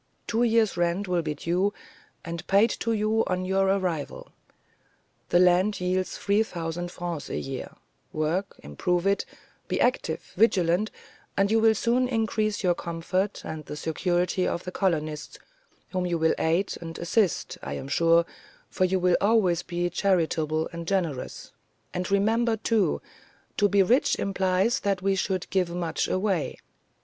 Two years' rent will be due, and paid to you on your arrival. The land yields three thousand francs a year: work, improve it, be active, vigilant, and you will soon increase your comfort and the security of the colonists, whom you will aid and assist I am sure, for you will always be charitable and generous; and remember, too, to be rich implies that we should give much away.